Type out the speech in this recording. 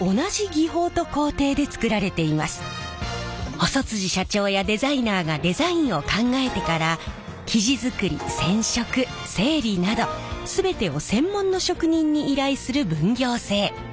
細社長やデザイナーがデザインを考えてから生地作り染色整理など全てを専門の職人に依頼する分業制。